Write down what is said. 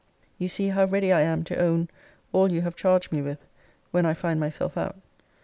You see how ready I am to own all you have charged me with, when I find myself out.